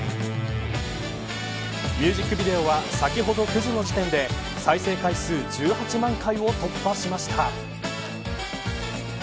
ミュージックビデオは先ほど９時の時点で再生回数１８万回を突破しました。